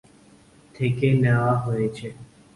থেকে নেয়া হয়েছে।